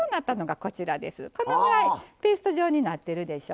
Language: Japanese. このぐらいペースト状になってるでしょう？